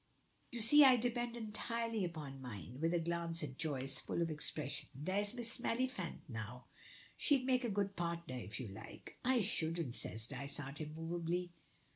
You see I depend entirely upon mine," with a glance at Joyce, full of expression. "There's Miss Maliphant now she'd make a good partner if you like." "I shouldn't," says Dysart, immovably.